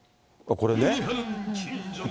これね。